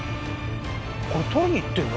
これ撮りに行ってんの？